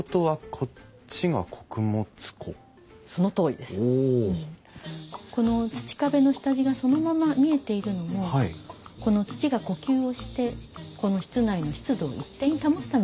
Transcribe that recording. この土壁の下地がそのまま見えているのも土が呼吸をしてこの室内の湿度を一定に保つためのものなんです。